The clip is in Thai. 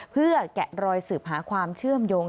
เพื่อแกะรอยสืบหาความเชื่อมโยง